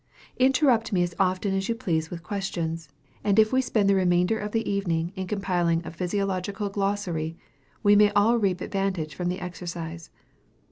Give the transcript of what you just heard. Interrupt me as often as you please with questions; and if we spend the remainder of the evening in compiling a physiological glossary, we may all reap advantage from the exercise.